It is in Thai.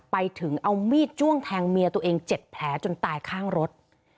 ไปถึงเอามีดจ้วงแทงเมียตัวเอง๗แผลจนตายข้างรถ